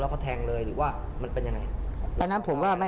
แล้วเขาแทงเลยหรือว่ามันเป็นยังไง